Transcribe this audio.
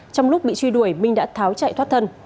trong lúc bị truy đuổi minh đã tháo chạy thoát thân